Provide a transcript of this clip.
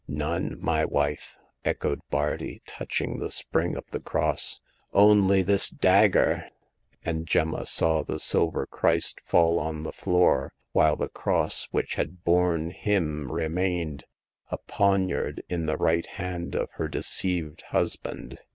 " None, my wife !" echoed Bardi, touching the spring of the cross —" only this dagger !" and Gemma saw the silver Christ fall on the floor, while the cross which had borne Him remained, a poniard, in the right hand of her deceived hus band.